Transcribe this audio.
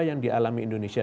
yang dialami indonesia